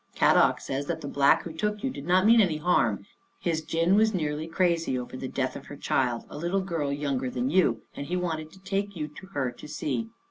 Kadok says that the Black who took you did not mean any harm. His gin was nearly crazy over the death of her child, a little girl younger than you, and he wanted to take you to her to see.